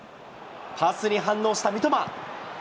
パスに反応した三笘。